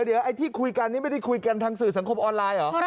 เดี๋ยวไอ้ที่คุยกันนี่ไม่ได้คุยกันทางสื่อสังคมออนไลน์เหรอ